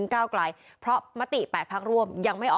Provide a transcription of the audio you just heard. ถามเพื่อให้แน่ใจ